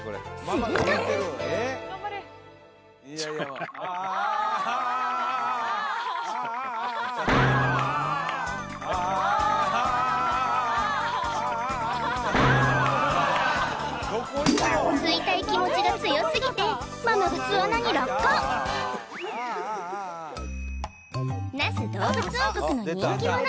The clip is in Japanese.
吸いたい気持ちが強すぎてママが巣穴に落下那須どうぶつ王国の人気者